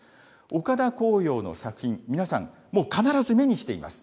岡田紅陽の作品、皆さん、もう必ず目にしています。